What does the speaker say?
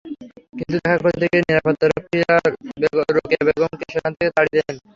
কিন্তু দেখা করতে গেলে নিরাপত্তারক্ষীরা রোকেয়া বেগমকে সেখান থেকে তাড়িয়ে দেন।